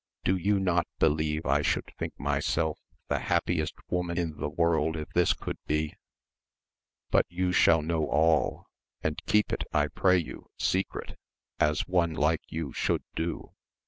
Do you not believe I should think myself the happiest woman in the world if this could be % But you shall know all — and keep it I pray you secret, as one like you should do.